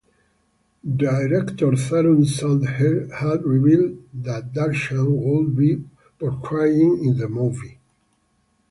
Director Tharun Sudhir had revealed that Darshan would be portraying in the movie.